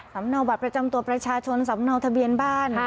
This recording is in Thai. เนาบัตรประจำตัวประชาชนสำเนาทะเบียนบ้าน